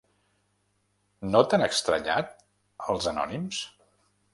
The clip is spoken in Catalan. No t'han estranyat, els anònims?